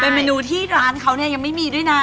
เป็นเมนูที่ร้านเขาเนี่ยยังไม่มีด้วยนะ